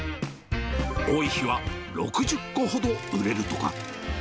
多い日は６０個ほど売れるとか。